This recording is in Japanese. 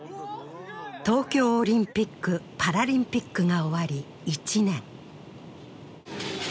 東京オリンピック・パラリンピックが終わり１年。